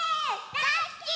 だいすき！